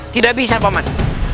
tidak bisa paman